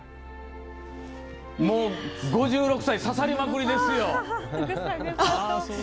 もう５６歳刺さりまくりですよ！